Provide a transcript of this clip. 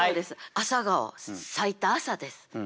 朝顔咲いた朝です。